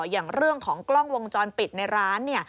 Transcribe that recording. อย่างเรื่องของกล้องวงจรปิดในร้านเนี่ย